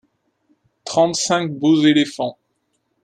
trente cinq beaux éléphants.